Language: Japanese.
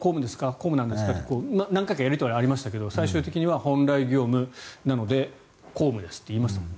公務なんですか？という何回かやり取りがありましたけど最終的には本来業務なので公務ですと言いましたもんね。